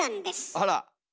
あら。